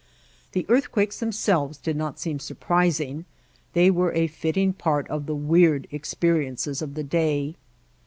The earthquakes themselves did not seem surprising, White Heart of Mojave they were a fitting part of the weird experiences of the day.